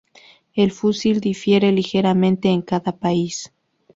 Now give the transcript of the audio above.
El fusil difiere ligeramente en cada país.